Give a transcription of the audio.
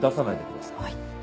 はい。